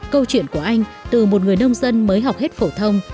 câu chuyện của anh từ một người nông dân mới học hết phổ thông